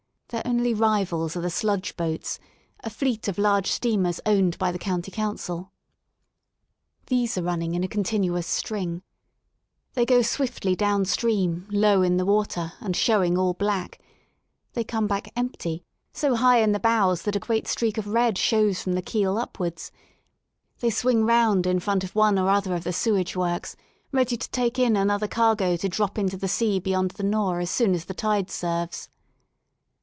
Their only rivals are the sludge boats, a fleet of large steamers owned by the County Council* These are running in a continuous string J they go swiftly down stream, low in the water, and showing all black. They come back empty, so high in the bows that a great streak of red shows from the keel upwards? they swing round in front of one or other of the sewage works, ready to take in another cargo to drop into the sea beyond the Nore as soon as the tide serves.